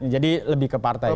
jadi lebih ke partai